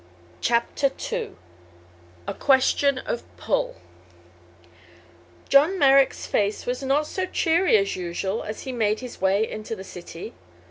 CHAPTER II A QUESTION OF "PULL" John Merrick's face was not so cheery as usual as he made his way into the city.